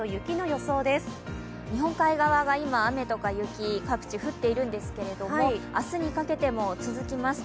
日本海側は今、雨とか雪各地降っているんですけれども明日にかけても続きます。